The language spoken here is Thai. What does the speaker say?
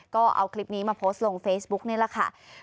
ก็เอาคลิปนี้มาโพสต์ลงเฟซบุ๊กนี่แหละค่ะ